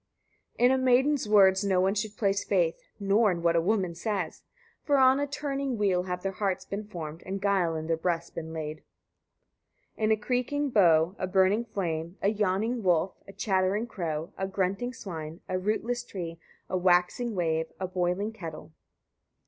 84. In a maiden's words no one should place faith, nor in what a woman says; for on a turning wheel have their hearts been formed, and guile in their breasts been laid; 85. In a creaking bow, a burning flame, a yawning wolf, a chattering crow, a grunting swine, a rootless tree, a waxing wave, a boiling kettle, 86.